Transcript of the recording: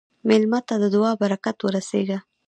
مېلمه ته د دعا برکت ورسېږه.